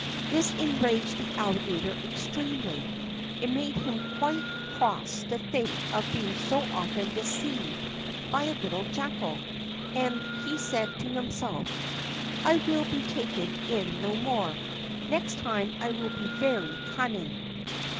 This enraged the Alligator extremely; it made him quite cross to think of being so often deceived by a little Jackal, and he said to himself: "I will be taken in no more. Next time I will be very cunning."